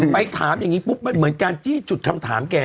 ไปถามอย่างนี้ปุ๊บมันเหมือนการจี้จุดคำถามแก